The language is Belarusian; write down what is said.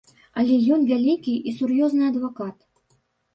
Але ён вялікі і сур'ёзны адвакат.